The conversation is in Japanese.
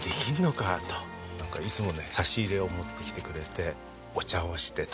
いつもね差し入れを持ってきてくれてお茶をしてと。